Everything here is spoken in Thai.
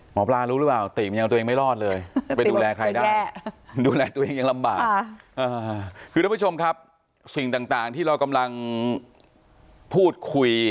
หมอปลารู้หรือเปล่าติมันยังตัวเองไม่รอดเลยไปดูแลใครได้ดูแลตัวเองยังลำบาก